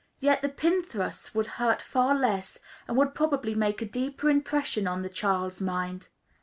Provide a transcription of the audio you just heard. Yet the pin thrusts would hurt far less, and would probably make a deeper impression on the child's mind.